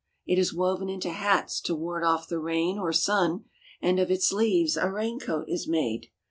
It is woven into hats to ward off the rain or sun, and of its leaves a raincoat is made.